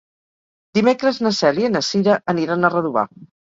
Dimecres na Cèlia i na Cira aniran a Redovà.